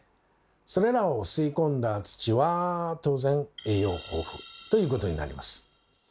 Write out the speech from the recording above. それらを吸い込んだ土は当然栄養豊富ということになります。